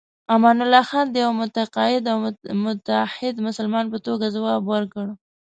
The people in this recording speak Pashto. امان الله خان د یوه معتقد او متعهد مسلمان په توګه ځواب ورکړ.